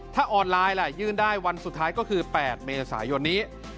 ถ้าออนไลน์ล่ะยื่นได้วันสุดท้ายก็คือ๘เมษายนนี้